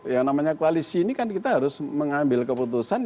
yang namanya koalisi ini kan kita harus mengambil keputusan